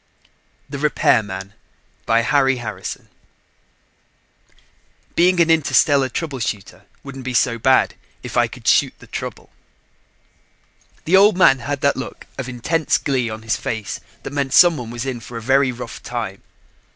net The Repairman By HARRY HARRISON Illustrated by KRAMER Being an interstellar trouble shooter wouldn't be so bad ... if I could shoot the trouble! The Old Man had that look of intense glee on his face that meant someone was in for a very rough time.